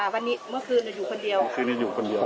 วันนี้เมื่อคืนอยู่คนเดียว